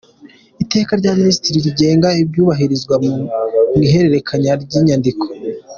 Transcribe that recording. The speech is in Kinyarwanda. Iteka rya Minisitiri rigena ibyubahirizwa mu ihererekanya ry‟inyandiko